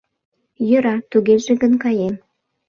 Йӧра, тугеже гын каем.